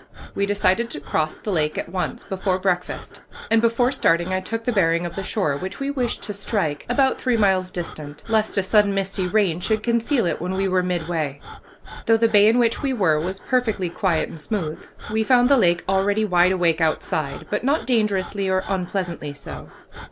We decided to cross the lake at once, before breakfast; and before starting I took the bearing of the shore which we wished to strike, about three miles distant, lest a sudden misty rain should conceal it when we were midway. Though the bay in which we were was perfectly quiet and smooth, we found the lake already wide awake outside, but not dangerously or unpleasantly so.